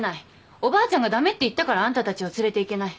おばあちゃんが駄目って言ったからあんたたちを連れていけない。